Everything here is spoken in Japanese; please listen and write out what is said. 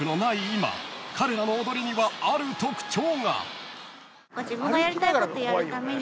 今彼らの踊りにはある特徴が］